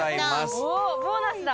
おっボーナスだ。